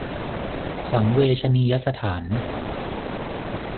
สังเวชนียสถาน